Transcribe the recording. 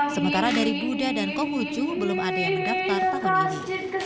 sementara dari buddha dan konghucu belum ada yang mendaftar tahun ini